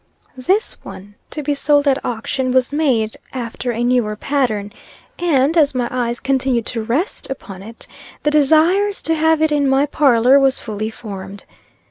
This one, to be sold at auction, was made after a newer pattern, and, as my eyes continued to rest upon it, the desires to have it in my parlor was fully formed.